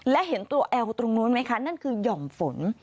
และเห็นตัวแอลตรงนู้นไหมคะนั่นคือหย่อมฝน